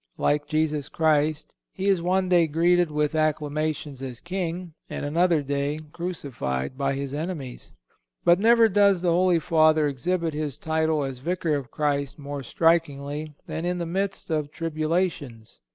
Like Jesus Christ, he is one day greeted with acclamations as king, and another day crucified by his enemies. But never does the Holy Father exhibit his title as Vicar of Christ more strikingly than in the midst of tribulations.